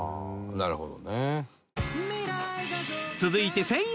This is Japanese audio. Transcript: なるほど。